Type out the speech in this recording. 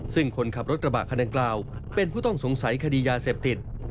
ซึ่งคนขับรถกระบะคันดังกล่าวเป็นผู้ต้องสงสัยคดียาเสพติด